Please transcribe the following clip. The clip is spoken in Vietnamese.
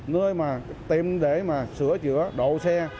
nơi mà tìm để sửa chữa độ xe